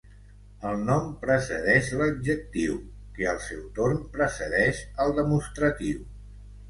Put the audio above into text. El nom precedeix l'adjectiu, que al seu torn precedeix el demostratiu.